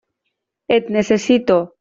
Et necessito!